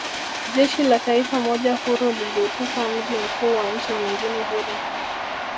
Jeshi la taifa moja huru liliuteka mji mkuu wa nchi nyingine huru